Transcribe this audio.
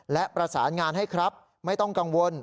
และประสานงานให้ครับไม่ต้องกังวล